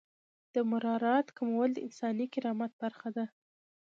د مرارت کمول د انساني کرامت برخه ده.